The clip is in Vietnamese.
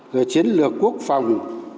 rồi chiến lược quốc phòng